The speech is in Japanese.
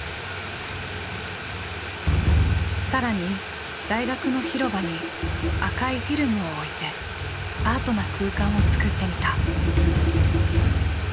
更に大学の広場に赤いフィルムを置いてアートな空間をつくってみた。